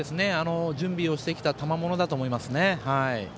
準備をしてきたたまものだと思いますね。